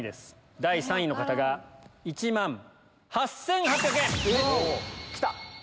第３位の方が１万８８００円。来た！